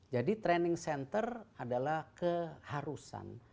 jadi training center adalah keharusan